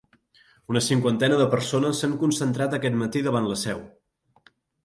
Una cinquantena de persones s’han concentrat aquest matí davant la seu.